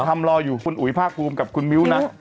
ทำรออยู่คุณอุ๋ยภาคภูมิกับคุณมิ้วนะ